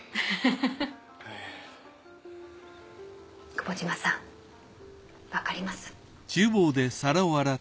久保島さんわかります？